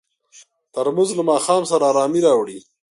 ترموز له ماښام سره ارامي راوړي.